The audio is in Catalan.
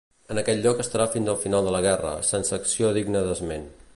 En aquest lloc estarà fins al final de la guerra, sense acció digna d'esment.